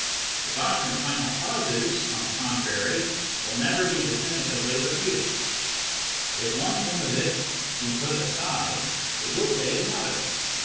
The doctrine of final causes, on the contrary, will never be definitively refuted. If one form of it be put aside, it will take another.